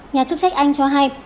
nhà chức trách anh cho hay